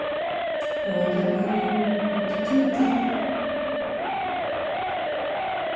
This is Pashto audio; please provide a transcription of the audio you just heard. د وطن هر یوه پټکي ته مې سلام دی.